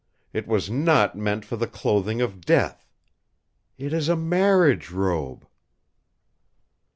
It was not meant for the clothing of death! It is a marriage robe!"